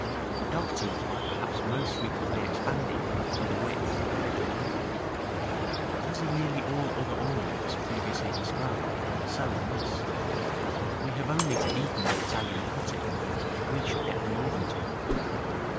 The dogteeth are perhaps most frequently expanded to the width of fig. 9. § VII. As in nearly all other ornaments previously described, so in this, we have only to deepen the Italian cutting, and we shall get the Northern type.